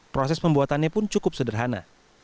proses pembuatannya pun cukup sederhana